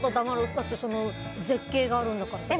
だって絶景があるんだからさ。